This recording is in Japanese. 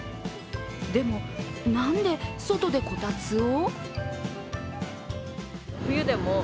でも、なんで外でこたつを？